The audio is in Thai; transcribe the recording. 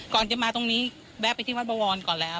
ก่อนจะมาตรงนี้แวะไปที่วัดบวรก่อนแล้ว